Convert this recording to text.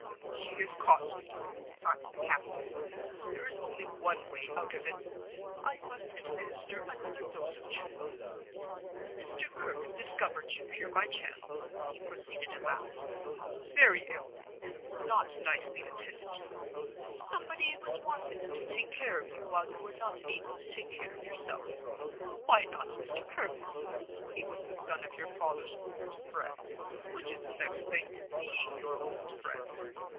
"She has caught me!" thought the captain. "There is only one way out of it—I must administer another dose of truth. Mr. Kirke discovered you here by chance," he proceeded, aloud, "very ill, and not nicely attended to. Somebody was wanted to take care of you while you were not able to take care of yourself. Why not Mr. Kirke? He was the son of your father's old friend—which is the next thing to being your old friend.